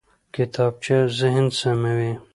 کتابچه ذهن سموي